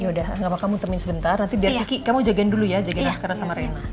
ya udah enggak apa apa kamu temuin sebentar nanti biar kiki kamu jagain dulu ya jagain raskara sama rena